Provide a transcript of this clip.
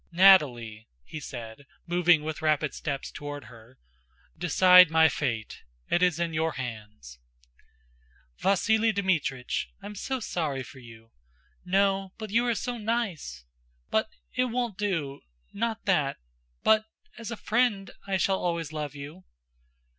"Nataly," he said, moving with rapid steps toward her, "decide my fate. It is in your hands." "Vasíli Dmítrich, I'm so sorry for you!... No, but you are so nice... but it won't do...not that... but as a friend, I shall always love you."